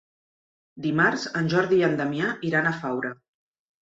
Dimarts en Jordi i en Damià iran a Faura.